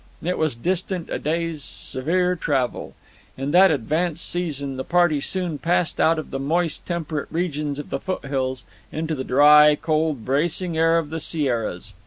It was distant a day's severe travel. In that advanced season, the party soon passed out of the moist, temperate regions of the foothills into the dry, cold, bracing air of the Sierras.